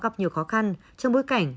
gặp nhiều khó khăn trong bối cảnh